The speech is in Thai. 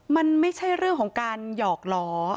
มันไม่ใช่เรื่องของการหยอกล้อ